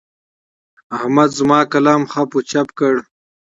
احمد زما قلم خپ و چپ کړ.